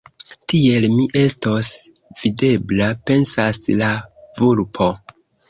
“Tiel, mi estos videbla!” pensas la vulpo.